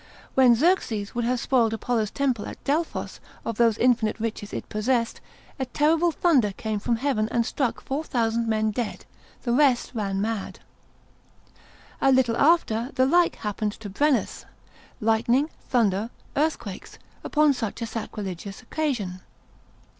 When Xerxes would have spoiled Apollo's temple at Delphos of those infinite riches it possessed, a terrible thunder came from heaven and struck four thousand men dead, the rest ran mad. A little after, the like happened to Brennus, lightning, thunder, earthquakes, upon such a sacrilegious occasion.